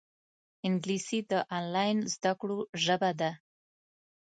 انګلیسي د آنلاین زده کړو ژبه ده